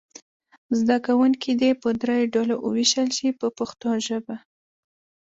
زده کوونکي دې په دریو ډلو وویشل شي په پښتو ژبه.